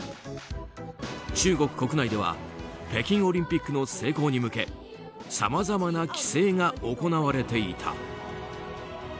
中国国内では北京オリンピックの成功に向けさまざまな規制が行われていた。